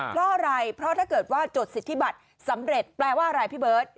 เพราะอะไรเพราะถ้าเกิดว่าจดสิทธิบัตรสำเร็จแปลว่าอะไรพี่เบิร์ต